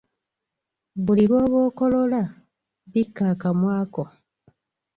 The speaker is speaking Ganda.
Buli lw’oba okolola, bikka akamwa ko.